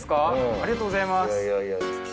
ありがとうございます